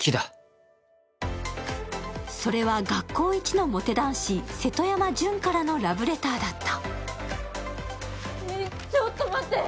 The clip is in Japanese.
それは学校一のモテ男子、瀬戸山潤からのラブレターだった。